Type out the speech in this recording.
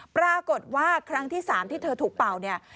ปรากฏว่าครั้งที่๓ที่เธอถูกเป่าเนี่ย